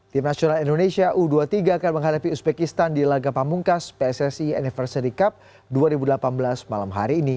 tim nasional indonesia u dua puluh tiga akan menghadapi uzbekistan di laga pamungkas pssi anniversary cup dua ribu delapan belas malam hari ini